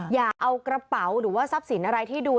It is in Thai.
อย่าเอากระเป๋าหรือว่าทรัพย์สินอะไรที่ดู